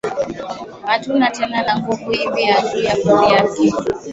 Atuna tena na nguvu ivi atuya kuria kintu